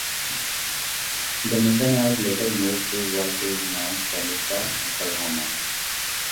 The mission was later moved to what is now Sallisaw, Oklahoma.